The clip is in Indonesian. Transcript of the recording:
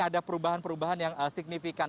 ada perubahan perubahan yang signifikan